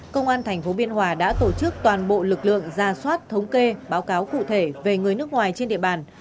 công an tp biên hòa đã tổ chức toàn bộ lực lượng ra soát thống kê báo cáo cụ thể về người nước ngoài trên địa bàn